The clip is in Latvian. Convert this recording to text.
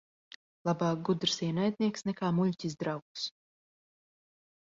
Labāk gudrs ienaidnieks nekā muļķis draugs.